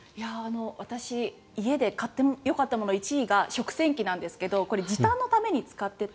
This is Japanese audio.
私、家で買ってよかったもの１位が食洗機なんですがこれ時短のために使ってて。